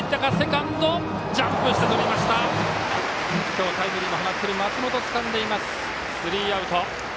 今日タイムリーも放った松本がつかんでスリーアウト。